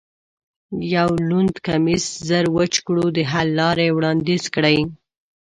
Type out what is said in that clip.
یو لوند کمیس زر وچ کړو، د حل لارې وړاندیز کړئ.